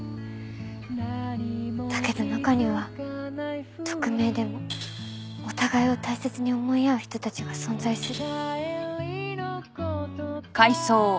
だけど中には匿名でもお互いを大切に思い合う人たちが存在する。